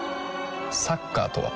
サッカーとは？